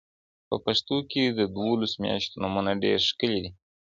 په پښتو کي د دوولسو میاشتو نومونه ډېر ښکلي دي